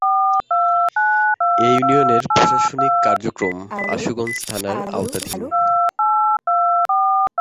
এ ইউনিয়নের প্রশাসনিক কার্যক্রম আশুগঞ্জ থানার আওতাধীন।